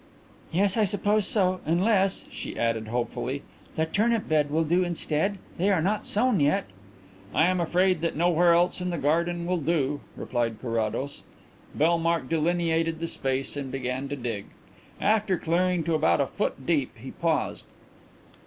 "Yes, I suppose so. Unless," she added hopefully, "the turnip bed will do instead? They are not sown yet." "I am afraid that nowhere else in the garden will do," replied Carrados. Bellmark delineated the space and began to dig. After clearing to about a foot deep he paused.